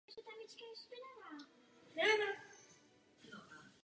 Její manžel Jan Koubek je také spisovatelem.